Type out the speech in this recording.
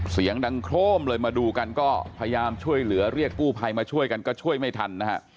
เสียงดังโครมเลยมาดูกันก็พยายามช่วยเหลือเรียกกู้ภัยมาช่วยกันก็ช่วยไม่ทันนะฮะ